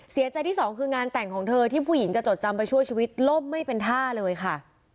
เสียใจที่สองคืองานแต่งของเธอที่ผู้หญิงจะจดจำไปช่วยชีวิตล่มไม่เป็นท่าเลยค่ะ